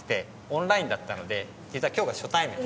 オンラインだったので実は今日が初対面で。